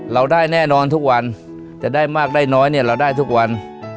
เราได้แน่นอนทุกวันจะได้มากได้น้อยเนี่ยเราได้ทุกวัน